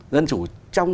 dân chủ trong